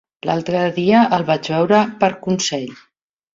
L'altre dia el vaig veure per Consell.